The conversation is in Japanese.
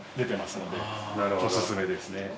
お薦めですね。